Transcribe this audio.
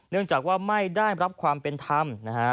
เนื่องจากว่าไม่ได้รับความเป็นธรรมนะฮะ